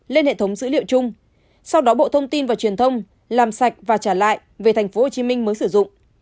lên hệ thống dữ liệu chung sau đó bộ thông tin và truyền thông làm sạch và trả lại về tp hcm mới sử dụng